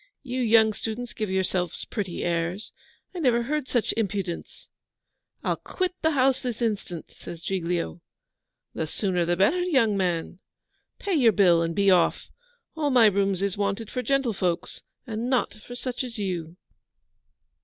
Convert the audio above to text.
'You young students give yourselves pretty airs. I never heard such impudence.' 'I'll quit the house this instant,' says Giglio. 'The sooner the better, young man. Pay your bill and be off. All my rooms is wanted for gentlefolks, and not for such as you.